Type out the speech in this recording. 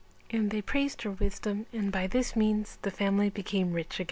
And they praised her wisdom and by this means the family became rich again.